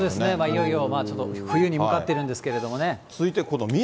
いよいよ冬に向かってるんですけどもね。